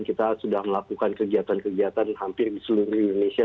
kita sudah melakukan kegiatan kegiatan hampir di seluruh indonesia